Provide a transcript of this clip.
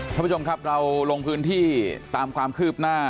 ท่านผู้ชมครับเราลงพื้นที่ตามความคืบหน้า